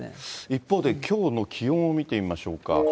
一方で、きょうの気温を見てみましょうか。